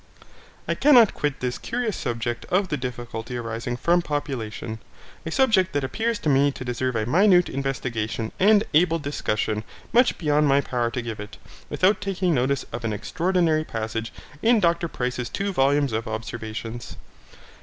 I cannot quit this curious subject of the difficulty arising from population, a subject that appears to me to deserve a minute investigation and able discussion much beyond my power to give it, without taking notice of an extraordinary passage in Dr Price's two volumes of Observations.